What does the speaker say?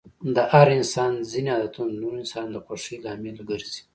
د هر انسان ځيني عادتونه د نورو انسانانو د خوښی لامل ګرځي.